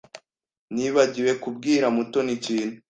Nibagiwe kubwira Mutoni ikintu.